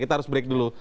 kita harus break dulu